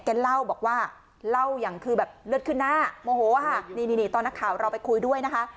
เล่าบอกว่าเล่าอย่างคือแบบเลือดขึ้นหน้าโมโหค่ะนี่นี่ตอนนักข่าวเราไปคุยด้วยนะคะ